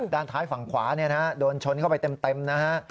ด้านท้ายฝั่งขวาโดนชนเข้าไปเต็มนะฮะ